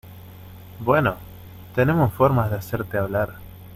Bueno, tenemos formas de hacerte hablar.